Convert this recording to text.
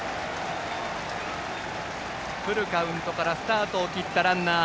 フルカウントからスタートを切ったランナー。